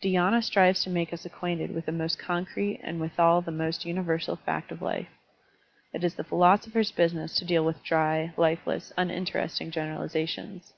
Dhy^na strives to make us acquainted with the most concrete and withal the most universal fact of life. It is the philosopher's business to deal with dry, lifeless, uninteresting generalizations.